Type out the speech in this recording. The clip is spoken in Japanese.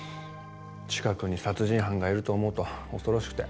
近くに殺人犯がいると思うと恐ろしくて。